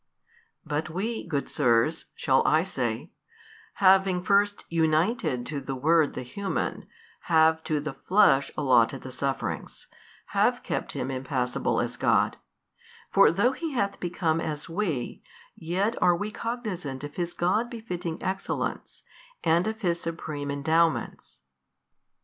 But we, good sirs, (shall I say) having first united to the Word the human, have to the flesh allotted the sufferings, have kept Him impassible as God: for though He hath become as we, yet are we cognizant of His God befitting Excellence and of His Supreme Endowments.